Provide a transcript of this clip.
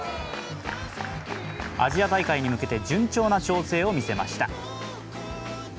アジア大会に向けて順調な調整を見せました。